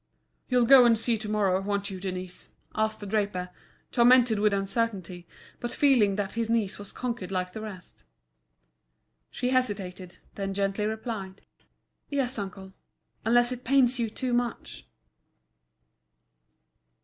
"You'll go and see to morrow, won't you, Denise?" asked the draper, tormented with uncertainty, but feeling that his niece was conquered like the rest. She hesitated, then gently replied: "Yes, uncle, unless it pains you too much."